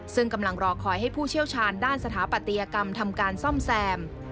ซึ่งกำลังรอคอยให้ผู้เชี่ยวชาญด้านสถาปัตยกรรมทำการซ่อมแซม